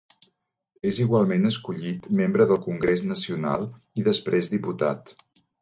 És igualment escollit membre del Congrés nacional i després diputat.